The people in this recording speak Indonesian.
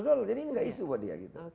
jadi ini gak isu buat dia